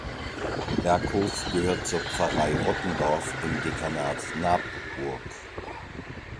Berghof gehört zur Pfarrei Rottendorf im Dekanat Nabburg.